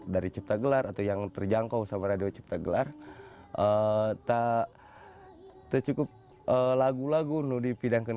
dari ciptagelar atau yang terjangkau sama radio ciptagelar tak tercukup lagu lagu no di pidangkan